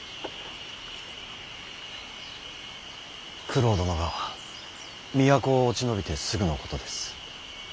九郎殿が都を落ち延びてすぐのことです。